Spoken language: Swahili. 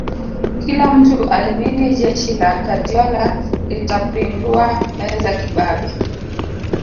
kila mtu alimini jeshi la guardiola litapindua meza kibabe